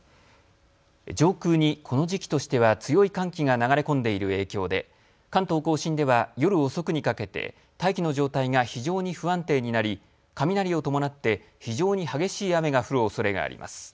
上空にこの時期としては強い寒気が流れ込んでいる影響で関東甲信では夜遅くにかけて大気の状態が非常に不安定になり雷を伴って非常に激しい雨が降るおそれがあります。